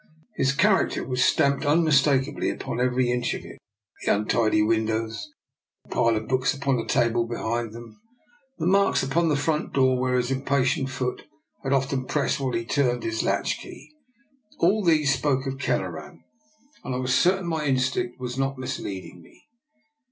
His character was stamped unmistakably upon every inch of it: the untidy windows, the pile of books upon a table behind them, the marks upon the front door where his impatient foot had often pressed while he turned his latch key: all these spoke of Kelleran, and I was certain my instinct was not misleading me.